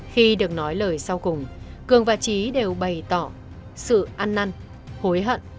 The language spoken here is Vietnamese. khi được nói lời sau cùng cường và trí đều bày tỏ sự ăn năn hối hận